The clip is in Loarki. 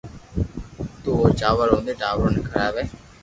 تو او چاور رودين ٽاٻرو ني کراوي